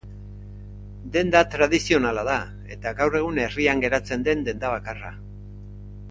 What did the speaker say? Denda tradizionala da eta gaur egun herrian geratzen den denda bakarra.